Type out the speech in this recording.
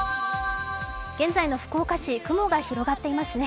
現在の福岡市、雲が広がっていますね。